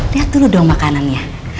liat dulu dong makanannya